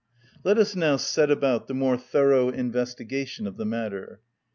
Let us now set about the more thorough investigation of the matter.